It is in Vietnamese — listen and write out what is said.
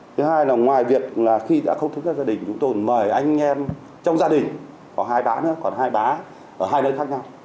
thứ hai là ngoài việc là khi đã không thức các gia đình chúng tôi mời anh em trong gia đình còn hai bé nữa còn hai bé ở hai nơi khác nhau